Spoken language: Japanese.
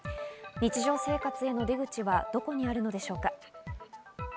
日常生活への出口はどこにあるのでしょうか。